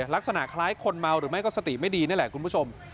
ลักษณะคล้ายคนเมาหรือไม่ก็สติไม่ดีนี่แหละคุณผู้ชม